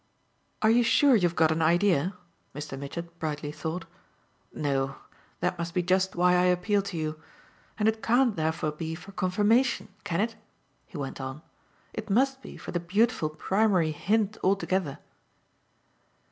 "Are you sure you've got an idea?" Mr. Mitchett brightly thought. "No. That must be just why I appeal to you. And it can't therefore be for confirmation, can it?" he went on. "It must be for the beautiful primary hint altogether."